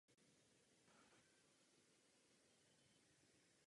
Tam byl přijat zřejmě z popudu kurfiřta Karla Theodora.